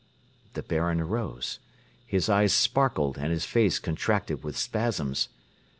The Baron arose. His eyes sparkled and his face contracted with spasms.